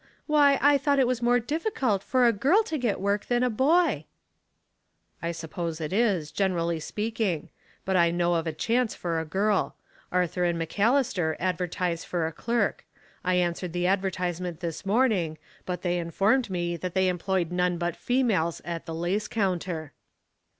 Why, I thought it was more difficult for a girl to get work than a boy?" " I suppose it is, generally speaking ; but I know of a chance for a girl. Arthur & McAllis ter advertize for a clerk. I answered the adver tisement this morning, but they informed me that they employed none but females at the lace counter."